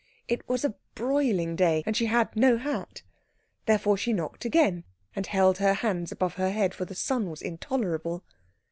It was a broiling day, and she had no hat; therefore she knocked again, and held her hands above her head, for the sun was intolerable.